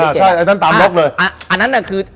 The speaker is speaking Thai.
ใช่ไอ้ตัวตามล็อกเลย